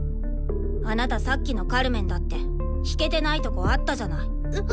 あなたさっきのカルメンだって弾けてないとこあったじゃない。